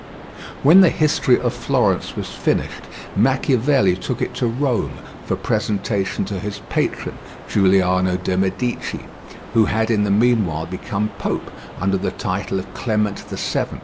When the "History of Florence" was finished, Machiavelli took it to Rome for presentation to his patron, Giuliano de' Medici, who had in the meanwhile become pope under the title of Clement VII.